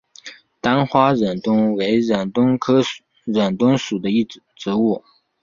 单花忍冬为忍冬科忍冬属的植物。